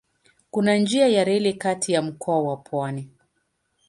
Kuna njia ya reli kati ya mkoa na pwani.